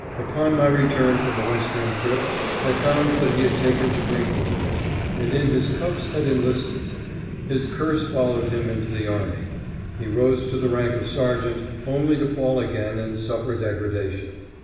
Upon my return from a Western trip I found that he had taken to drinking again, and in his cups had enlisted. His curse followed him into the army. He rose to the rank of sergeant, only to fall again and suffer degradation.